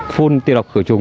phun tiêu độc khử trùng